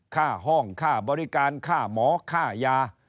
ค่าห้องค่าบริการค่าหมอค่ายา